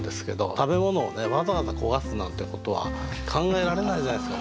食べ物をねわざわざ焦がすなんてことは考えられないじゃないですか。